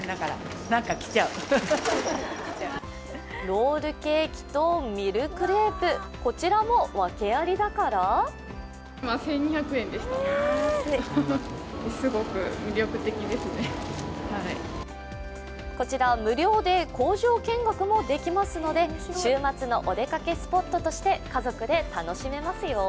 ロールケーキとミルクレープ、こちらもワケありだからこちらは無料で工場見学もできますので、週末のお出かけスポットとして家族で楽しめますよ。